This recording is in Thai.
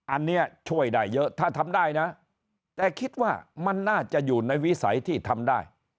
อันนี้ช่วยได้เยอะถ้าทำได้นะแต่คิดว่ามันน่าจะอยู่ในวิสัยที่ทำได้